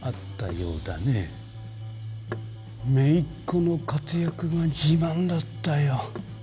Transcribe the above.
姪っ子の活躍が自慢だったよ。